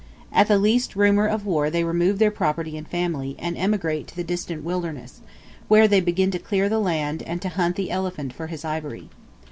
At the least rumor of war they remove their property and family, and emigrate to the distant wilderness, where they begin to clear the land, and to hunt the elephant for his ivory.